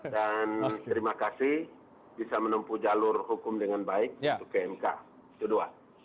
dan terima kasih bisa menempuh jalur hukum dengan baik untuk pmk itu dua